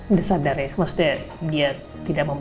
udah sadar ya maksudnya dia tidak mau